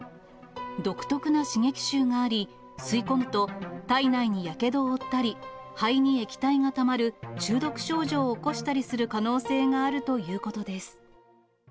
独特な刺激臭があり、吸い込むと体内にやけどを負ったり、肺に液体がたまる中毒症状を起こしたりする可能性があるということです。